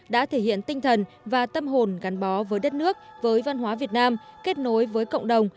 đã thể hiện tinh thần và tâm hồn gắn bó với đất nước với văn hóa việt nam kết nối với cộng đồng